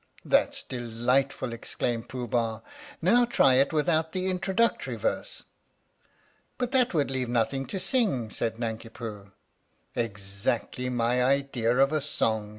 That 's delightful! " exclaimed Pooh Bah. " Now try it without the introductory verse." " But that would leave nothing to sing," said Nanki Poo. "Exactly my idea of a song!"